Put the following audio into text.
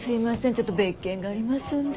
ちょっと別件がありますんで。